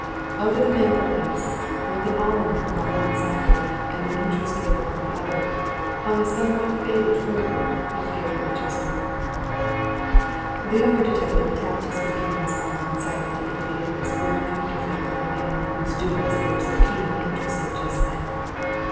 Over the mantelpiece, with an almanac on one side of it, and an interest table on the other, hung a somewhat faded photograph of Gabriel Chestermarke. The younger detective tapped his companion's arm and silently indicated this grim counterfeit of the man in whose doings they were so keenly interested just then.